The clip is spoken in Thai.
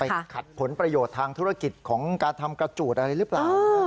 ขัดผลประโยชน์ทางธุรกิจของการทำกระจูดอะไรหรือเปล่า